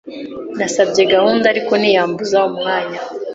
Nasabye gahunda, ariko ntiyambuza umwanya.